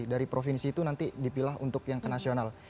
dari provinsi itu nanti dipilah untuk yang ke nasional